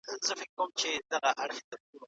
داسي څرګندېده، چي دا پوښتني د ناشناس د هنر د